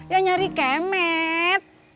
ya nyari kemet